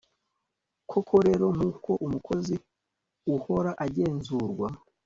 koko rero, nk'uko umukozi uhora agenzurwa